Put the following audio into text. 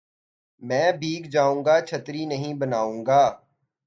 میں بھیگ جاؤں گا چھتری نہیں بناؤں گا